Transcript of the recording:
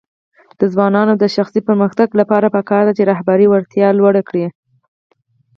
د ځوانانو د شخصي پرمختګ لپاره پکار ده چې رهبري وړتیا لوړه کړي.